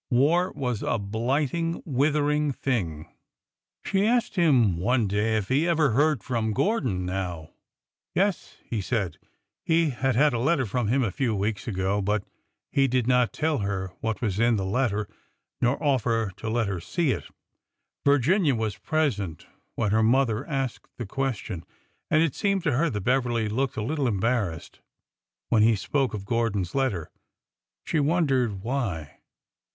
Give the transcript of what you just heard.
War was a blighting, withering thing 1 She asked him one day if he ever heard from Gordon now. Yes, he said, he had had a letter from him a few weeks ago, — but he did not tell her what was in the letter nor offer to let her see it. Virginia was present when her mother asked the question, and it seemed to her that Bev erly looked a little embarrassed when he spoke of Gor don's letter. She wondered why.